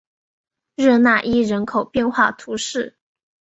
热讷伊人口变化图示